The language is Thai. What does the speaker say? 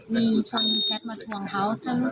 มีคนที่แชทมาถ่วงเขา